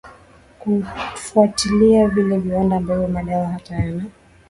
kufwatilia vile viwanda ambavyo madawa hayo yanata